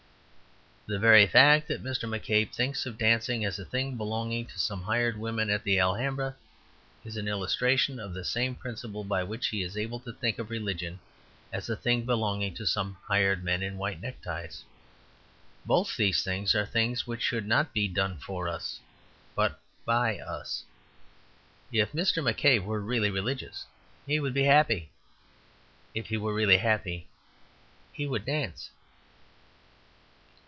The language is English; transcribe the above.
The very fact that Mr. McCabe thinks of dancing as a thing belonging to some hired women at the Alhambra is an illustration of the same principle by which he is able to think of religion as a thing belonging to some hired men in white neckties. Both these things are things which should not be done for us, but by us. If Mr. McCabe were really religious he would be happy. If he were really happy he would dance.